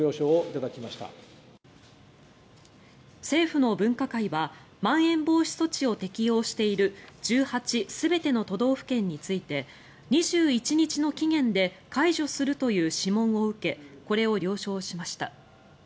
政府の分科会はまん延防止措置を適用している１８全ての都道府県について２１日の期限で解除するという諮問を受けこれを了承しました。